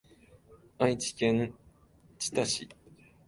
愛知県知多市